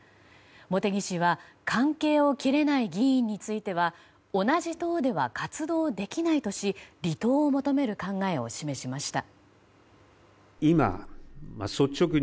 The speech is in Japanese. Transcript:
茂木氏は関係を切れない議員については同じ党では活動できないとし離党を求める考えを示しました。